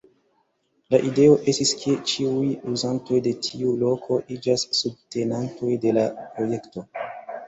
La ideo estis ke ĉiuj uzantoj de tiu loko iĝas subtenantoj de la projekto.